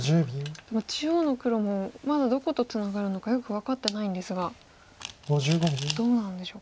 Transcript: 中央の黒もまだどことツナがるのかよく分かってないんですがどうなんでしょうか。